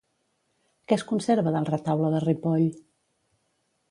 Què es conserva del Retaule de Ripoll?